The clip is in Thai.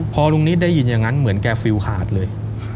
พอลุงนิดได้ยินอย่างนั้นเหมือนแกฟิลขาดเลย